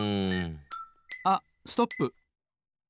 あっストップ！